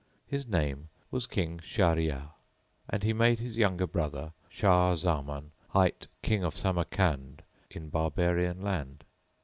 His name was King Shahryár[FN#3], and he made his younger brother, Shah Zamán hight, King of Samarcand in Barbarian land.